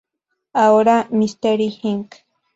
Ahora, Mistery Inc.